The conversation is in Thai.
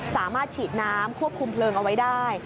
สามารถฉีดน้ำควบคุมเพลิงเอาไว้ได้